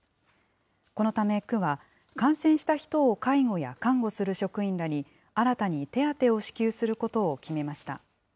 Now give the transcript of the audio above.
このため区は、感染した人を介護や看護する職員らに、新たに手当を支給することを決めました。